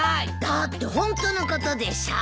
だってホントのことでしょ。